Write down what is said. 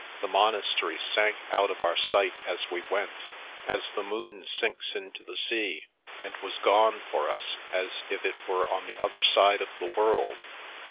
The mon astery sank out of our sight as we went, as the moon sinks into the sea, and was gone for us as if it were on the other side of the world.